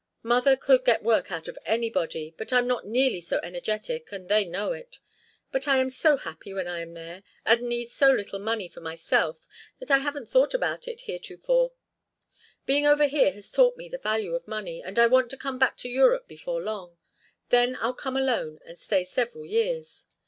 Mother could get work out of anybody, but I am not nearly so energetic, and they know it. But I am so happy when I am there, and need so little money for myself that I haven't thought about it heretofore. Being over here has taught me the value of money, and I want to come back to Europe before long. Then I'll come alone and stay several years.